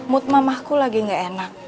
mood mamahku lagi gak enak